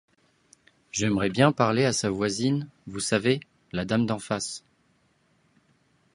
J’aimerais bien parler à sa voisine, vous savez, la dame d’en face.